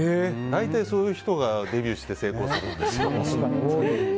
大体そういう人がデビューして成功するんだよね。